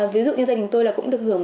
ví dụ như gia đình tôi là cũng được hưởng